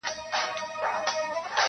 سفر دی بدل سوی- منزلونه نا اشنا دي-